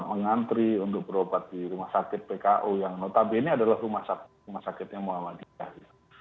mengantri untuk berobat di rumah sakit pku yang notabene adalah rumah sakitnya muhammadiyah